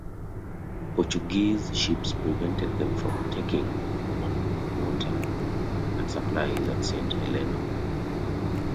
Portuguese ships prevented them from taking on water and supplies at Saint Helena.